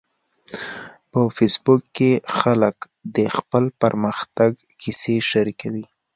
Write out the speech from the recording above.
په فېسبوک کې خلک د خپل پرمختګ کیسې شریکوي